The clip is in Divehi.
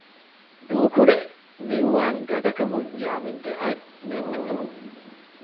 ދޫކުރޭ! މިއުވާން ގަދަކަމުން ޔާމިންގެ އަތް ނެއްޓުވި